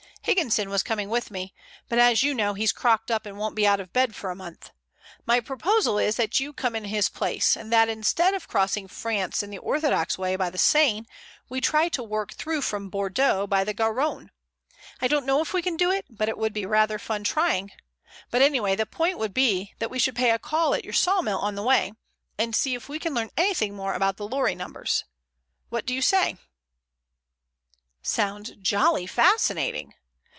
Higginson was coming with me, but as you know he's crocked up and won't be out of bed for a month. My proposal is that you come in his place, and that instead of crossing France in the orthodox way by the Seine, we try to work through from Bordeaux by the Garonne. I don't know if we can do it, but it would be rather fun trying. But anyway the point would be that we should pay a call at your sawmill on the way, and see if we can learn anything more about the lorry numbers. What do you say?" "Sounds jolly fascinating."